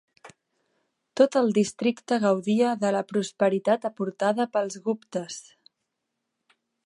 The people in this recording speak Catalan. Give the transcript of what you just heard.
Tot el districte gaudia de la prosperitat aportada pels guptes.